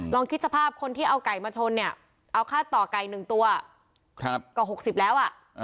ลองคิดสภาพคนที่เอาไก่มาชนเนี่ยเอาค่าต่อไก่๑ตัวก็๖๐แล้วอ่ะ